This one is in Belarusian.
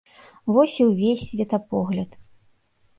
Вось і ўвесь светапогляд.